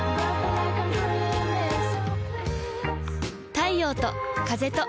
太陽と風と